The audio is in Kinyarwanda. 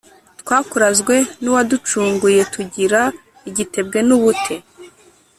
twakurazwe n’uwaducunguyetugira igitebwe n’ubute